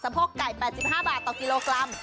พวกไก่แปดสิบห้าบาทต่อกิโลกรัม